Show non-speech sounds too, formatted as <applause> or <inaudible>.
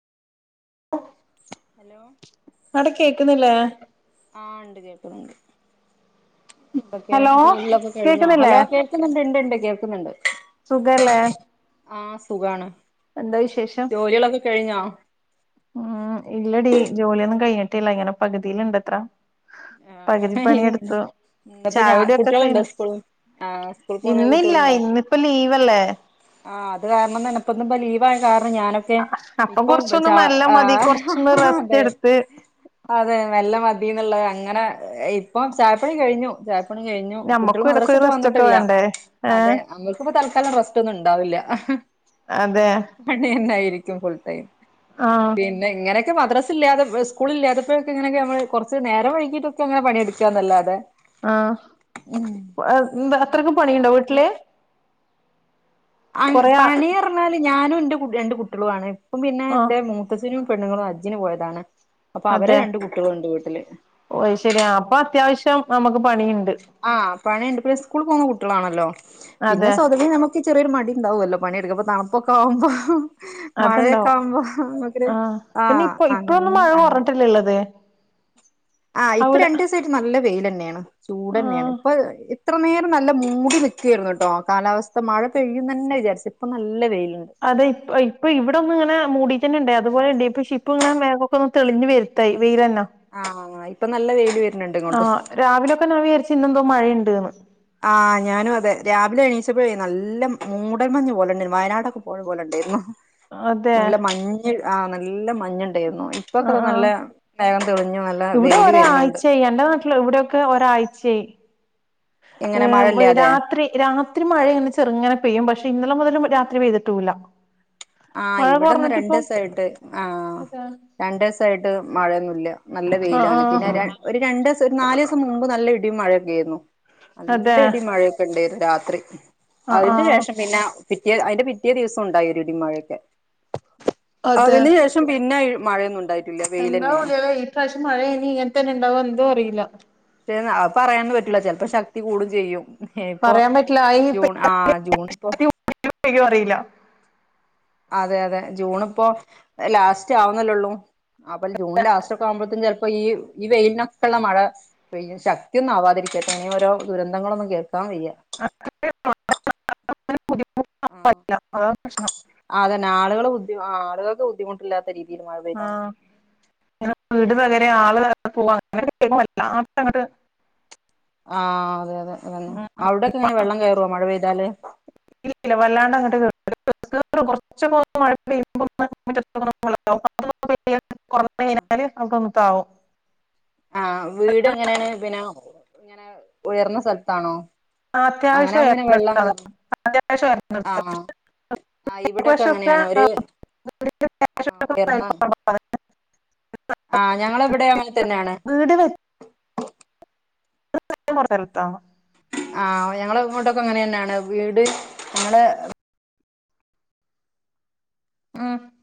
Hello ക്ക്ണില്ലേ ആഹ് ഉണ്ട് കേൾക്ക്ണ്‌ണ്ട് എന്തൊക്കെ ഹലോ ജോലിളൊക്കെ കഴിഞ്ഞോ കേക്കുന്നില്ലേ ഹലോ കേൾക്കുന്നുണ്ട് ഇണ്ട് ഇണ്ട് കേൾക്കുന്നുണ്ട് തല്ലേ ആ സുഖാണ് എന്താ വിശേഷം? ജോലികളൊക്കെ കഴിഞ്ഞോ? ഉം ഇല്ലടി ജോലിയൊന്നും കഴിഞ്ഞിട്ടല്ല ഇങ്ങനെ പകുതിയിലിണ്ടത്ര. ആഹ് പകുതിപ്പണിയടുത്തു. ഇന്നിപ്പോ ഞാ ചായൊടിക്കെ കുട്ടികളുണ്ടോ കഴഞ്ഞു സ്കൂള് ആഹ് സ്കൂൾ പോകുന്ന ഇന്നില്ല കുട്ടികളുണ്ടോ ഇന്നിപ്പോ ലീവല്ലെ. ആഹ് അത് കാരണം നനപ്പൊന്നും ബലീവായ അ ഞാനൊക്കെ അപ്പൊ ഇപ്പൊ കൊറച്ചൊന്ന് ചാ മെല്ലെ മതി കൊറച്ചൊന്ന് റെസ്റ്റ് എടുത്ത് അതെ നല്ല മതിന്നുള്ളതങ്ങനെ ഇപ്പം ചായപ്പണി കഴിഞ്ഞു ച പണി കഴിഞ്ഞു കുട്ടികൾ ഞമ്മക്കും ഇടക്കൊരു മദ്രസട്ട് റെസ്റ്റ് ഒക്കെ വന്നിട്ടില്ല വേണ്ടേ ഏ അതെ നമ്മുക്കിപ്പം തൽ കാല റസ്റ്റന്നും ഇണ്ടാവില്ല ആഹ അതെ പണി തന്നെയിരിക്കും ഫുൾ ടൈം. ആഹ് പിന്നെ ഇങ്ങനെക്കെ മദ്രസില്ലാതെ സ്കൂളില്ലാതപ്പോക്കെങ്ങനെക്കെപ്പൊക്കെ കുറച്ച് നേരം വൈകിട്ട പണിയടുക്കാന്നല്ലാതെ ആ അത്രക്ക് ഉം പണിണ്ടോ വീട്ടില്? ആ കൊറേ ആ പണിറഞ്ഞാല് ഞാനും ന്റെ കു രണ്ട് കുട്ടിളും ആണ് ഇപ്പംപിന്നെ ന്റെ മൂത്തച്ചനും പെണ്ണുങ്ങളും ഹജ്ജിന് പോയതാണ്. അപ്പൊ അവരെ അതെ രണ്ട് കുട്ടികളുണ്ട് വീട്ടില് ഓ ശരിയാ അപ്പൊത്യാവശ്യം നമുക്ക് പണിയു ആഹ പണിണ്ട് പിന്നെ സ്കൂളിൽ പോകുന്ന കുട്ടികളാണല്ലോ പിന്നെ അതെ സ്വാതര് നമക്ക് ചെറിയൊരു മടിണ്ടാവല്ലോ പണിടുക്ക തണുപ്പൊക്കെ ആവുമ്പോ മഴയൊക്കെ അതുണ്ടാവും ആവുമ്പോ മക്കൊരു ആഹ് ആ പിന്നെ ഇപ്പൊ ഇപ്പൊന്നും മഴ അങ്ങ കുറഞ്ഞിട്ടില്ലള്ളത് ആഹ് ഇപ്പൊ അവിടെ രണ്ടുസയിട്ട് നല്ല വെയിലന്നേണ് ചൂടന്നെണ് ആഹ് ഇപ്പൊ ഇത്ര നേരം നല്ല മൂടി നിക്കായിരുന്നുട്ടോ കാലാവസ്ഥ മഴ പെയ്യും ന്നന്നെ വിചാരിച്ചു പ്പം നല്ല വെയില്. അതെ ഇപ്പ ഇപ്പൊ വിടെ ഒന്ന് ങ്ങനെ മൂടി ഇണ്ട് അതുപോലണ്ട് ഇപ്പ ഷിപ്പൊങ്ങനെ മേഘക്കെന്ന് തെളിഞ്ഞു വരുത്തായി. വെയിലെന്ന ആഹ് ഇപ്പൊ നല്ല വെയില് വര്ന്ണ്ട് ആ ഇങ്ങോട്ടും രാവിലൊക്കൊ ഞാന് വിചാരിച്ച ന്നന്ദോ മഴയണ്ട്ന്ന്. ആഹ് ഞാനും അതെ രാവിലെ എണീച്ചപ്പോഴേ നല്ല മൂടൽമഞ്ഞ് പോലേണ്ടായിരുന്നു വയനാടൊക്കെ പോയ പോലെ ണ്ടായിരുന്നു. അതെ. ആഹ് നല്ല മഞ്ഞ യിര്ന്നു ഇപ്പൊക്കെത ആഹ് ആഹ് നല്ല മേഘം തെളിഞ്ഞു നല്ല ഇവിടെ വെയിൽ വരുന്നുണ്ട്. പഴ്ച് മഴ ഇല്ലാതെ രാത്രി രാത്രി മഴനെ ചെർങ്ങനെ പെയ്യും പക്ഷെ ഇന്നലെ മുതൽ രാത്രി പെയ്തിട്ടൂല. ആ ഇവിടെന്ന് രണ്ടിസായിട്ട് ആ അതാ രണ്ടിസായിട്ട് മഴയൊന്നുല്ല നല്ല ആഹ് വെയിലാണ് പിന്നെ ആഹ് ഒരു രണ്ടസം ഒരു നാല്സം മുമ്പ് നല്ല ഇടി മഴയൊക്കെണ്ടയ്രുന്നു അതെ നല്ല ഇടി മഴയൊക്കെണ്ടായിരുന്നു രാത്രി ആഹ് അതിന്റെ ആഹ് ശേഷം പിന്നെ പിറ്റേ അയ്‌ന്റെ പിറ്റേ ദിവസണ്ടായൊരുടിം മഴൊക്കെ അതെ അതിന് ശേഷം പിന്നെ ഈ മഴയൊന്നുണ്ടായില്ല എന്താ വിളിയാഈ പ്രാവശ്യം മഴയനി ഇങ്ങന് ത്തന്നെ ണ്ടാവോ ന്തോ അറില അ പറയാനന്നും പറ്റുല ചെലപ്പോ ശക്തി കൂടും ചെയ്യും ഇപ്പൊ പറയാൻ പറ്റില്ല ജൂൺ ആ ജൂൺപ്പോ പെയ്യോന്ന് അറില്ല അതെ അതെ ജൂണ്പ്പോ ലാസ്റ്റ വുന്നല്ലേള്ളൂ അപ്പൽ ജൂൺ ലാസ്റ്റോക്കെമ്പഴ്ത്ത്ക്കും ചില പ്പൊ ഈ ഈ വെയിലിനൊക്കെള്ള മഴ പെയും ശക്തിയൊന്നവാതിരിക്കട്ടെ ഇനീ ഓരോ ദുരന്തങ്ങളൊന്നും കേ ക്കാൻ വയ്യ മഴ പറ്റില്ല ആ ആതന്നെ ആളുകളെ ബുദ്ധി ആളുകൾക്ക് ബുദ്ധിമുട്ടില്ലാത്ത രീതിൽ മഴ പെയ്താ ആഹ് മതി വീട് തകരെ ആള് പോവാ അങ്ങനെക്കൊ കേൾ ആഹ അതെ അതെ അതന്നെ അവിടെക്കെങ്ങനെ വെള്ളം കേറോ മഴ പെയ്താല് ഇവിടെ കുറച്ച് മഴ പെയ്യുമ്പോൾ തന്നെ മുറ്റത്തൊക്കെ വെള്ളവും കുറെ കഴിഞ്ഞാൽ അതൊക്കെ താവും ആ വീട് എങ്ങനെണ് പിന്നെ ഇങ്ങനെ ഉയർന്ന സ്ഥലത്താണോ അങ്ങനെ അത്യാവശ്യം ആവുമ്പോ പിന്നെ ഉയർന്ന വെള്ളം സ്ഥലത്താണ് കേറും ആഹ് ആഹ് ഇവിടെയൊക്കെ ഇപ്രാവശ്യം ഒക്കെ അങ്ങനെയാണ് ഒരു ആഹ് വെയിലും മഴയും കുറവാണ് ആ ഞങ്ങള വ്ടെ അങ്ങനെ തന്നെയാണ് വീട് വെച്ച <unintelligible> ആ ഞങ്ങളങ്ങോട്ടൊക്കെ അങ്ങനെ ന്നെയാണ് വീട് ഞങ്ങളെ ഉം